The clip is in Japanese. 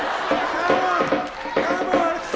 カモン！